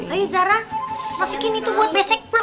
ayo zara masukin itu buat besek pak